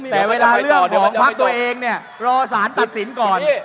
แต่เวลาเรื่องของพักตัวเองเนี่ยรอสารตัดสินก่อน